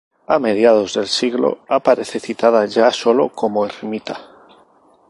A mediados de siglo aparece citada ya solo como ermita.